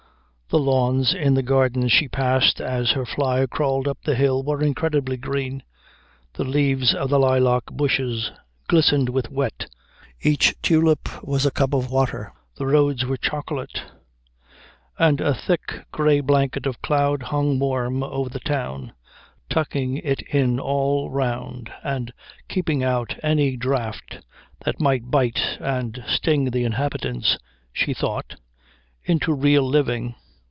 The lawns in the gardens she passed as her fly crawled up the hill were incredibly green, the leaves of the lilac bushes glistened with wet, each tulip was a cup of water, the roads were chocolate, and a thick grey blanket of cloud hung warm over the town, tucking it in all round and keeping out any draught that might bite and sting the inhabitants, she thought, into real living.